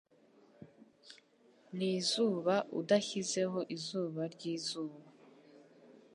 mwizuba udashyizeho izuba ryizuba